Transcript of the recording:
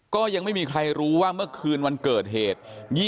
ก็ยังไม่มีใครรู้ว่าเมื่อคืนวันเกิดเหตุ